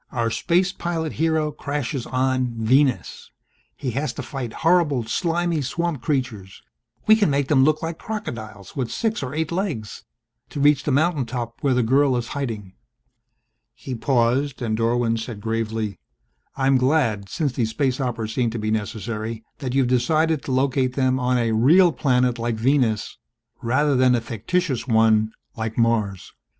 Our space pilot hero crashes on Venus. He has to fight horrible slimy swamp creatures we can make them look like crocodiles with six or eight legs to reach the mountaintop where the girl is hiding ..." He paused and Dorwin said gravely, "I'm glad, since these space operas seem to be necessary, that you have decided to locate them on a real planet like Venus rather than a fictitious one like Mars.